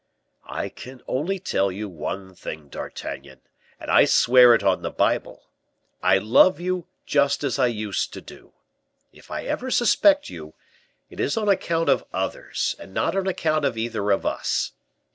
"I can only tell you one thing, D'Artagnan, and I swear it on the Bible: I love you just as I used to do. If I ever suspect you, it is on account of others, and not on account of either of us.